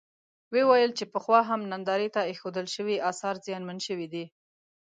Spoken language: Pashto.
وویل چې پخوا هم نندارې ته اېښودل شوي اثار زیانمن شوي دي.